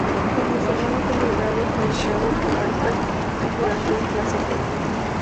Cuando su hermano fue liberado, fue empleado por Alfred durante un plazo corto.